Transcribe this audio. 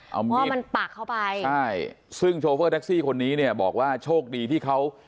เอามิดใช่ซึ่งโชเฟอร์แท็กซี่คนนี้เนี่ยบอกว่าโชคดีที่เขา